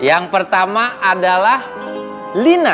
yang pertama adalah lina